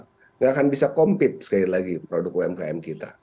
tidak akan bisa compete sekali lagi produk umkm kita